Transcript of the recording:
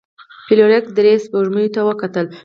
فلیریک درې سپوږمیو ته وکتل.